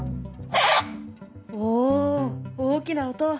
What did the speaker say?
お大きな音！